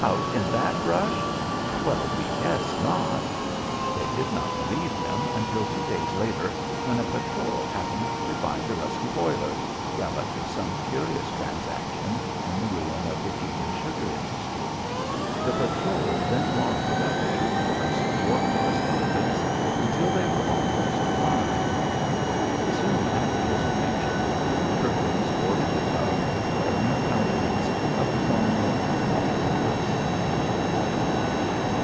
Out in that brush? Well, we guess not." They did not believe him until two days later, when a patrol happened to find the rusty boiler, relic of some curious transaction in the ruin of the Cuban sugar industry. The patrol then marvelled at the truthfulness of war correspondents until they were almost blind. Soon after his adventure Perkins boarded the tug, wearing a countenance of poignant thoughtfulness.